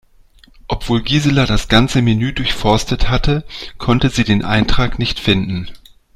Obwohl Gisela das ganze Menü durchforstet hatte, konnte sie den Eintrag nicht finden.